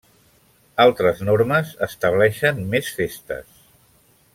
Altres normes estableixen més festes.